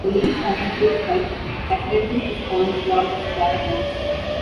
The lyrics are replaced by references to "SpongeBob SquarePants".